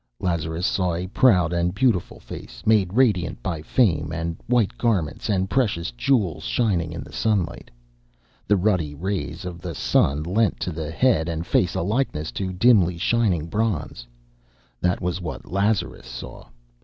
Lazarus saw a proud and beautiful face, made radiant by fame, and white garments and precious jewels shining in the sunlight. The ruddy rays of the sun lent to the head and face a likeness to dimly shining bronze that was what Lazarus saw.